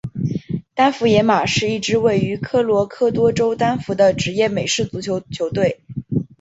丹佛野马是一支位于科罗拉多州丹佛的职业美式足球球队。